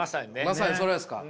まさにそれですか？